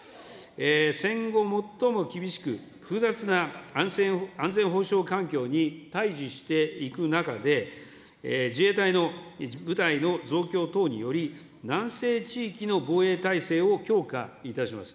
戦後最も厳しく、複雑な安全保障環境に対じしていく中で、自衛隊の部隊の増強等により、南西地域の防衛体制を強化いたします。